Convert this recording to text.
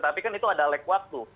tapi kan itu ada leg waktu